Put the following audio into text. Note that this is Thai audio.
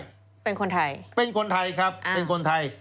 เป็นคนไทยเป็นคนไทยครับเป็นคนไทย